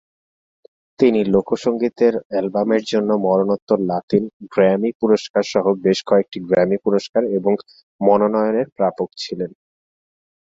তিনি লোকসঙ্গীতের অ্যালবামের জন্য মরণোত্তর লাতিন গ্র্যামি পুরস্কার সহ বেশ কয়েকটি গ্র্যামি পুরস্কার এবং মনোনয়নের প্রাপক ছিলেন।